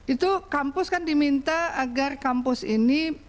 itu kampus kan diminta agar kampus ini